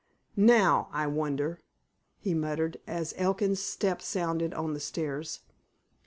"Now—I wonder!" he muttered, as Elkin's step sounded on the stairs.